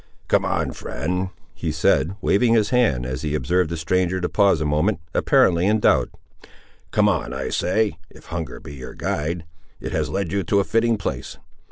"Come on, friend," he said, waving his hand, as he observed the stranger to pause a moment, apparently in doubt. "Come on, I say, if hunger be your guide, it has led you to a fitting place.